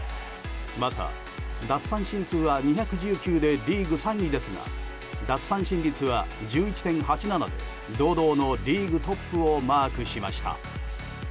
また、奪三振数は２１９でリーグ３位ですが奪三振率は１１．８７で堂々のリーグトップをマークしました。